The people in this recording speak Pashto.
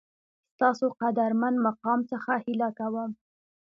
ستاسو قدرمن مقام څخه هیله کوم